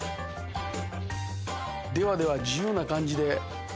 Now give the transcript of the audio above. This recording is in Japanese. ではでは自由な感じで。